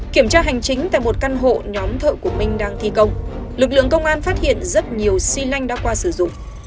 kiểm tra hành chính tại một căn hộ nhóm thợ của minh đang thi công lực lượng công an phát hiện rất nhiều xi lanh đã qua sử dụng